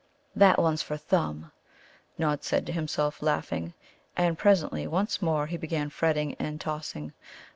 "That's one for Thumb," Nod said to himself, laughing. And presently once more he began fretting and tossing.